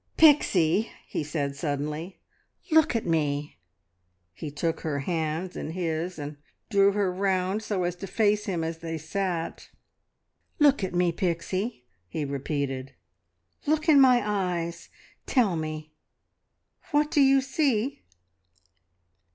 "Pixie," he said suddenly, "look at me!" He took her hands in his, and drew her round so as to face him as they sat. "Look at me, Pixie," he repeated. "Look in my eyes. Tell me, what do you see?"